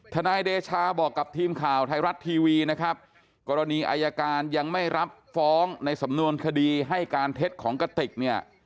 นายเดชาบอกกับทีมข่าวไทยรัฐทีวีนะครับกรณีอายการยังไม่รับฟ้องในสำนวนคดีให้การเท็จของกติกเนี่ย